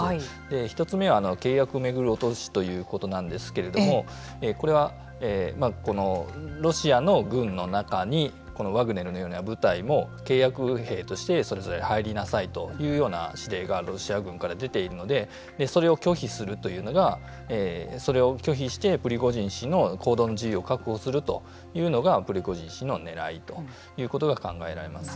１つ目は契約を巡る脅しというところなんですけれどもこれは、ロシアの軍の中にこのワグネルのような部隊も契約兵としてそれぞれ入りなさいというような指令がロシア軍から出ているのでそれを拒否するというのがそれを拒否してプリゴジン氏の行動の自由を確保するというのがプリゴジン氏のねらいということが考えられます。